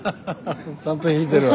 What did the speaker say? ちゃんと弾いてるわ。